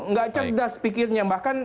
nggak cerdas pikirnya bahkan